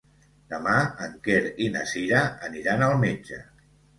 Demà en Quer i na Cira aniran al metge.